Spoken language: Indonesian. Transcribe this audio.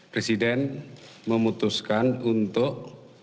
presiden memutuskan untuk